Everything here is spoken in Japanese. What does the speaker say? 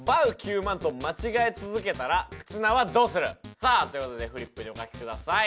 さあという事でフリップにお書きください。